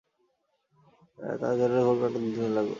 তাঁর জ্বরের ঘোর কাটতে দু দিন লাগল।